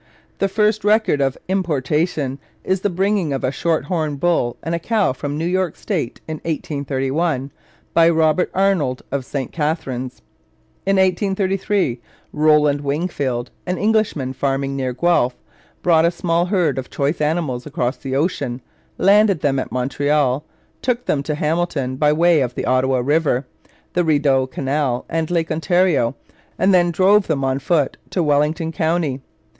The first record of importation is the bringing of a Shorthorn bull and a cow from New York State in 1831 by Robert Arnold of St Catharines. In 1833 Rowland Wingfield, an Englishman farming near Guelph, brought a small herd of choice animals across the ocean, landed them at Montreal, took them to Hamilton by way of the Ottawa River, the Rideau Canal, and Lake Ontario, and then drove them on foot to Wellington County.